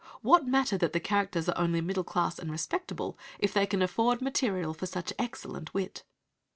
What matter that the characters are only middle class and "respectable," if they can afford material for such excellent wit?